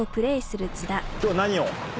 今日は何を？